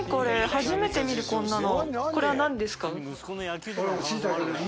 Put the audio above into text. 初めて見るこんなの。